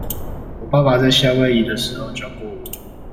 我爸爸在夏威夷的時候教過我